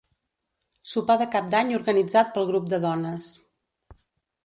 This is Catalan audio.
Sopar de Cap d'Any organitzat pel grup de dones.